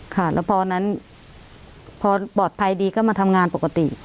ค่ะแล้วพอนั้นพอปลอดภัยดีก็มาทำงานปกติ